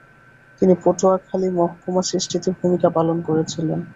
তিনি পটুয়াখালী মহকুমা সৃষ্টিতে ভূমিকা পালন করেছিলেন।